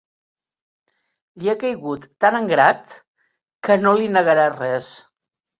Li ha caigut tan en grat, que no li negarà res.